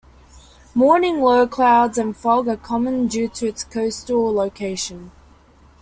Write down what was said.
Morning low clouds and fog are common due to its coastal location.